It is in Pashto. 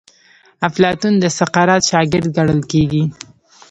افلاطون د سقراط شاګرد ګڼل کیږي.